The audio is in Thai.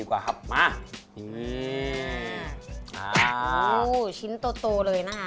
อู้วชิ้นตัวเลยนะคะ